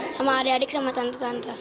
sama adik adik sama tante tante